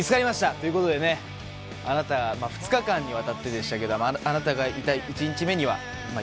ということでねあなた２日間にわたってでしたけどあなたがいた１日目にはいませんでした。